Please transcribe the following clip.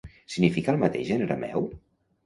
Significa el mateix en arameu?